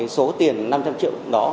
số tiền năm trăm linh triệu đó